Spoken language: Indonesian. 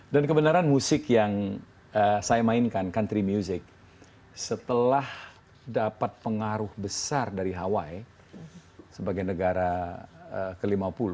dan kebenaran musik yang saya mainkan country music setelah dapat pengaruh besar dari hawaii sebagai negara ke lima puluh